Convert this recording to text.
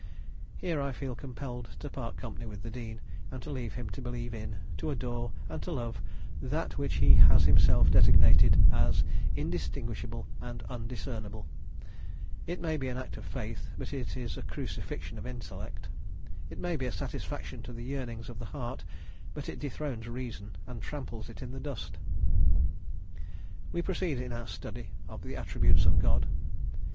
Here I feel compelled to part company with the Dean, and to leave him to believe in, to adore, and to love that which he has himself designated as indistinguishable and undiscernable; it may be an act of faith but it is a crucifixion of intellect; it may be a satisfaction to the yearnings of the heart, but it dethrones reason and tramples it in the dust. We proceed in our study of the attributes of God.